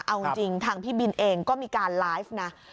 เอาจริงทางพี่บินเองก็มีการไลฟ์นะ